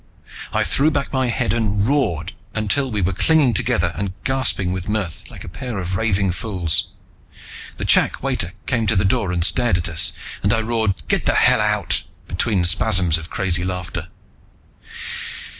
I threw back my head and roared, until we were clinging together and gasping with mirth like a pair of raving fools. The chak waiter came to the door and stared at us, and I roared "Get the hell out," between spasms of crazy laughter.